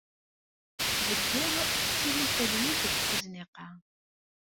Deg yiḍ, tettili talwit deg uzniq-a.